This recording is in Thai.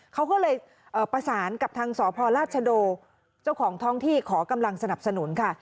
เขาก็เลยประสานกับทางสพราชโดเจ้าของท้องที่ขอกำลังสนับสนุนค่ะ